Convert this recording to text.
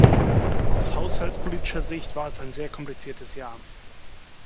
Aus haushaltspolitischer Sicht war es ein sehr kompliziertes Jahr.